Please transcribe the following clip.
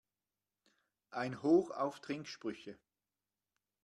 Ein Hoch auf Trinksprüche!